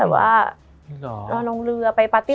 มันทำให้ชีวิตผู้มันไปไม่รอด